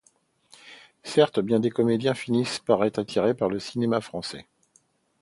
Certes, bien des comédiens finissent par être attirés par le cinéma français.